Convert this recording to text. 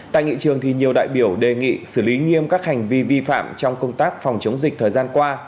tại nghị trường nhiều đại biểu đề nghị xử lý nghiêm các hành vi vi phạm trong công tác phòng chống dịch thời gian qua